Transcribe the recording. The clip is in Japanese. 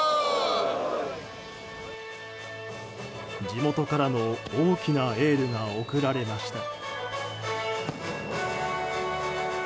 地元からの大きなエールが送られました。